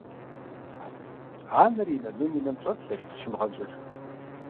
Анэр и нанум и нэм щӀэплъэрт, зыщимыгъэнщӀыжу.